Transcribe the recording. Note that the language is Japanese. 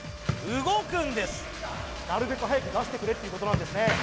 動くんですなるべく早く出してくれっていうことなんですね